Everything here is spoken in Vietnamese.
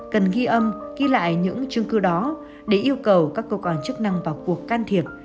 cần ghi âm ghi lại những chứng cư đó để yêu cầu các cơ quan chức năng vào cuộc can thiệp